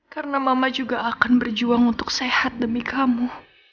karena mama juga akan berjuang untuk sehat demi kamu